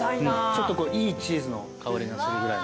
ちょっとこういいチーズの香りがするぐらい。